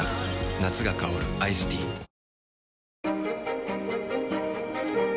夏が香るアイスティー・あっ！！